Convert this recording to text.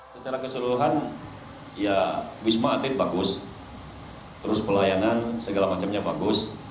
secara keseluruhan ya wisma atlet bagus terus pelayanan segala macamnya bagus